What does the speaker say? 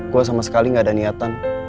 gue sama sekali gak ada niatan